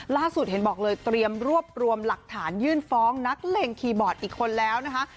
ล่าสุดเห็นบอกเลยเตรียมรวบรวมหลักฐานยื่นฟ้องนักเลงคีย์บอร์ดอีกคนแล้วนะคะ